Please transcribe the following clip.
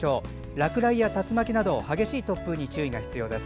落雷や竜巻など激しい突風に注意が必要です。